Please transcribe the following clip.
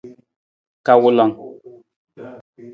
Kawulang.